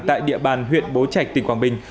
tại địa bàn huyện bố trạch tỉnh quảng bình